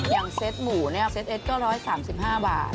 อย่างเซ็ตหมูเนี่ยเซ็ตเอชก็๑๓๕บาท